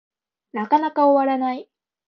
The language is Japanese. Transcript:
なかなか終わらない